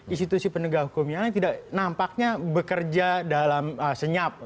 institusi penegak hukum yang lain tidak nampaknya bekerja dalam senyap